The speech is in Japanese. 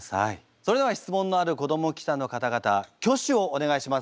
それでは質問のある子ども記者の方々挙手をお願いします。